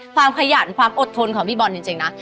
ขยันความอดทนของพี่บอลจริงนะ